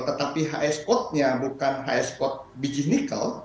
tetapi hs code nya bukan hs code biji nikel